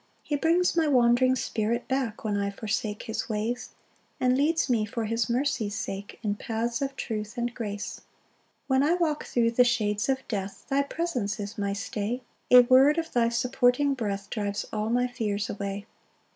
2 He brings my wandering spirit back, When I forsake his ways; And leads me for his mercy's sake, In paths of truth and grace. 3 When I walk thro' the shades of death, Thy presence is my stay; A word of thy supporting breath Drives all my fears away.